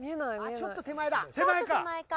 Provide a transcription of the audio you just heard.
ちょっと手前か。